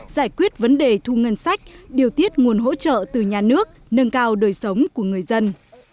giải quyết vấn đề thu ngân sách điều tiết nguồn hỗ trợ từ nhà nước nâng cao đời sống của người dân